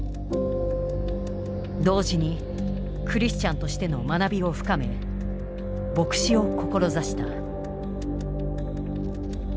同時にクリスチャンとしての学びを深め牧師を志した。